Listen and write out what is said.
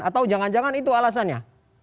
atau jangan jangan itu alasannya